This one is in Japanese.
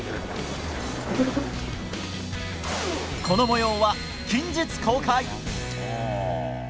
この模様は、近日公開！